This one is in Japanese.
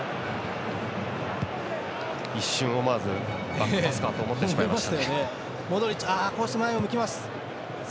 一瞬、思わずバックパスかと思ってしまいました。